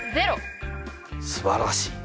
すばらしい。